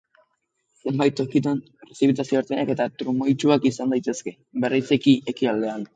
Zenbait tokitan, prezipitazio ertainak eta trumoitsuak izan daitezke, bereziki ekialdean.